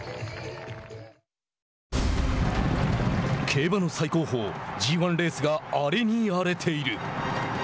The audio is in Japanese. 競馬の最高峰Ｇ１レースが荒れに荒れている。